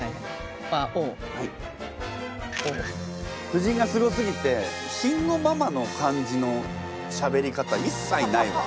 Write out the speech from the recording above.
夫人がすごすぎて慎吾ママの感じのしゃべり方いっさいないわ。